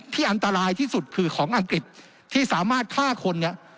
อันตรายที่สุดคือของอังกฤษที่สามารถฆ่าคนเนี่ย